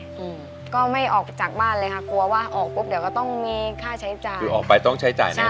อืมก็ไม่ออกจากบ้านเลยค่ะกลัวว่าออกปุ๊บเดี๋ยวก็ต้องมีค่าใช้จ่ายคือออกไปต้องใช้จ่ายแน่